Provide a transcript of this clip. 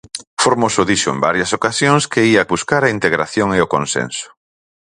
Formoso dixo en varias ocasións que ía buscar a integración e o consenso.